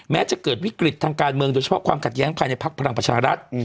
จะเกิดวิกฤตทางการเมืองโดยเฉพาะความขัดแย้งภายในพักพลังประชารัฐ